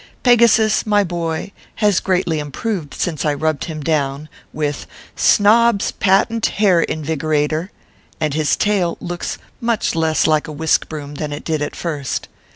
Pegasus, my boy, has greatly improved since I rubbed him down with Snobb s Patent Hair Invigora tor, and his tail looks much less like a whisk broom than it did at first.